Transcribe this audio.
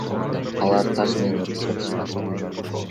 Алар таш менен уруп жатышкан.